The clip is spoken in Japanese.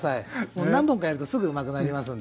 もう何本かやるとすぐうまくなりますんで。